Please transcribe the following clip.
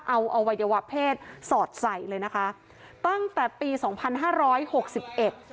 เอาอวัยวะเพศสอดใส่เลยนะคะตั้งแต่ปีสองพันห้าร้อยหกสิบเอ็ด